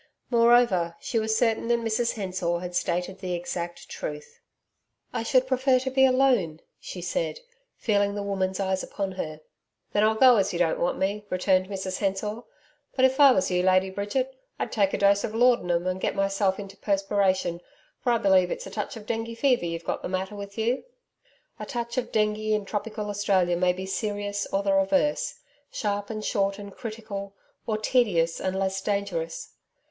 Moreover, she was certain that Mrs Hensor had stated the exact truth. 'I should prefer to be alone,' she said, feeling the woman's eyes upon her. 'Then I'll go, as you don't want me,' returned Mrs Hensor. 'But if I was you, Lady Bridget, I'd take a dose of laudanum, and get myself into a perspiration, for I believe it's a touch of dengue fever you've got the matter with you.' A touch of dengue in tropical Australia may be serious or the reverse sharp and short and critical, or tedious and less dangerous.